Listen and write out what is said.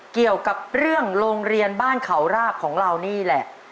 เกี่ยวกับเรื่องโรงเรียนบ้านเขาราบของเรานี่แหละ